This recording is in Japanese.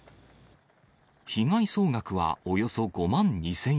被害総額はおよそ５万２０００円。